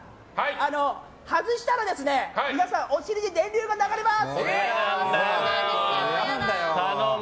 外したら皆さん、お尻に電流が流れます。